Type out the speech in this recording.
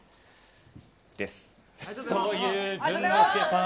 という淳之介さん。